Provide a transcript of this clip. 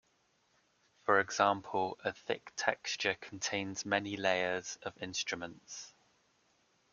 For example, a thick texture contains many "layers" of instruments.